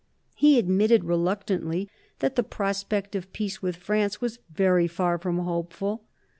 He admitted, reluctantly, that the prospect of peace with France was very far from hopeful.